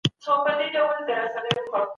سوله د ټولني لومړنۍ اړتیا ده.